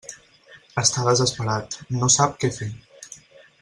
Està desesperat, no sap què fer.